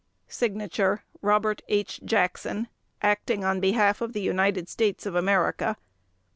/s/ ROBERT H. JACKSON. _Acting on Behalf of the United States of America.